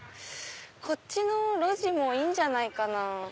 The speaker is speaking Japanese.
こっちの路地もいいんじゃないかな。